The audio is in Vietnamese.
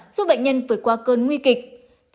giúp bệnh nhân vượt qua cơn nguy kịch